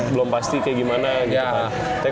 belum pasti kaya gimana gitu kan